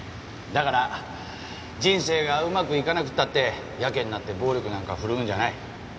だから人生がうまくいかなくったってやけになって暴力なんか振るうんじゃない約束だぞって。